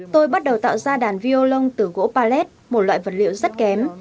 tôi bắt đầu tạo ra đàn violon từ gỗ pallet một loại vật liệu rất kém